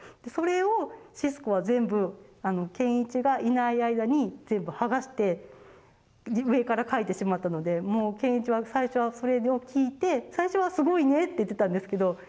それをシスコは全部賢一がいない間に全部剥がして上から描いてしまったのでもう賢一は最初はそれを聞いて最初は「すごいね」って言ってたんですけど